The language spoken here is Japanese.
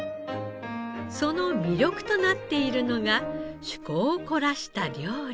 その魅力となっているのが趣向を凝らした料理。